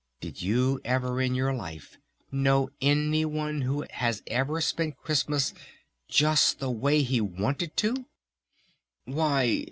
Did you ever in your life know any one who had ever spent Christmas just the way he wanted to?" "Why